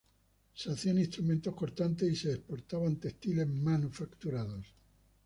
Se hacían instrumentos cortantes y se exportaban textiles manufacturados.